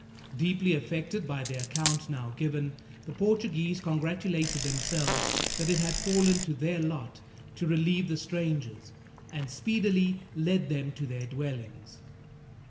Deeply affected by the account now given, the Portuguese congratulated themselves that it had fallen to their lot to relieve the strangers, and speedily led them to their dwellings.